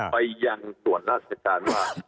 ไปยังส่วนนักศึการมา